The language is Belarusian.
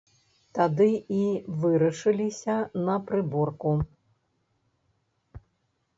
Тады і вырашыліся на прыборку.